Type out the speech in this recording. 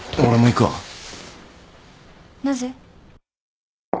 なぜ？